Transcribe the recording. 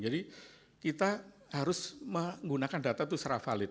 jadi kita harus menggunakan data itu secara valid